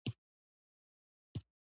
د چرګانو صحي ساتنه د هګیو تولید زیاتوي.